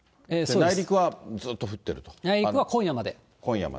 内陸は今夜まで。